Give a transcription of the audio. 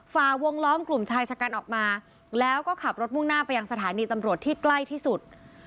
ฝ่าวงล้อมกลุ่มชายชะกันออกมาแล้วก็ขับรถมุ่งหน้าไปยังสถานีตำรวจที่ใกล้ที่สุด